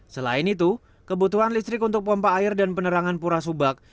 selain itu kebutuhan listrik untuk pompa air dan penerangan pura subak